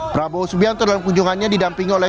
prabowo subianto dalam kunjungannya didampingi oleh